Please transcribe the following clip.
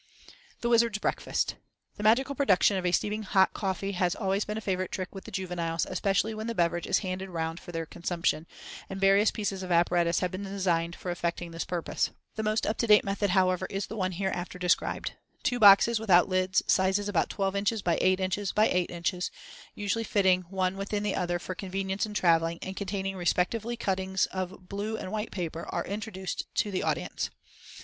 The Wizard's Breakfast.—The magical production of steaming hot coffee has always been a favorite trick with the juveniles, especially when the beverage is handed round for their consumption, and various pieces of apparatus have been designed for effecting this purpose. The most up to date method, however, is the one hereafter described: Two boxes, without lids, sizes about 12 in. by 8 in. by 8 in., usually fitting one within the other for convenience in traveling, and containing respectively cuttings of blue and white paper, are introduced to the audience.